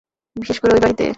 বিশেষ করে ঐ বাড়িতে।